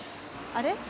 あれ？